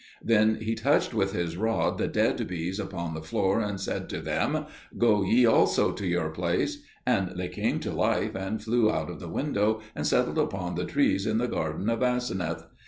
Then he touched with his rod the dead bees upon the floor, and said to them, "Go ye also to your place," and they came to life and flew out of the window, and settled upon the trees in the garden of Aseneth.